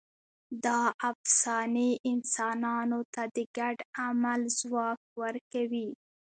دا افسانې انسانانو ته د ګډ عمل ځواک ورکوي.